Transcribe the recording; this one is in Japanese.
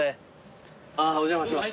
あお邪魔します。